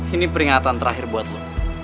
ini peringatan terakhir buat lo